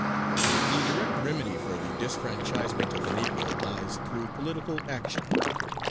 The direct remedy for the disfranchisement of the Negro lies through political action.